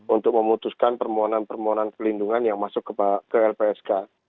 untuk memutuskan permohonan permohonan perlindungan yang masuk ke lpsk